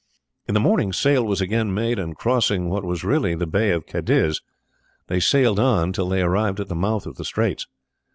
In the morning sail was again made, and crossing what was really the Bay of Cadiz they sailed on till they arrived at the mouth of the straits.